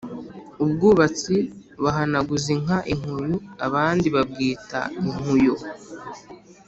Ubwatsi bahanaguza inka inkuyu, abandi babwita inkuyo